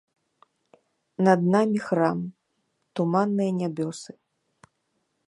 Над намі храм, туманныя нябёсы.